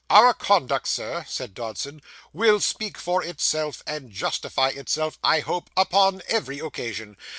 'Our conduct, Sir,' said Dodson, 'will speak for itself, and justify itself, I hope, upon every occasion.